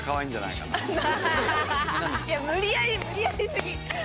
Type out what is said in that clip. いや無理やり無理やりすぎ。